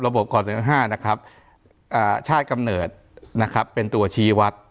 ก่อนเซ็นทั้ง๕นะครับชาติกำเนิดนะครับเป็นตัวชี้วัด